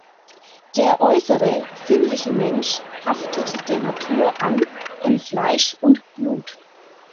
Der äußere, sinnliche Mensch „haftet der Natur an, in Fleisch und Blut“.